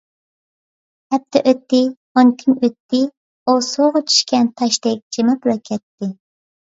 ھەپتە ئۆتتى، ئون كۈن ئۆتتى…ئۇ سۇغا چۈشكەن تاشتەك جىمىپلا كەتتى.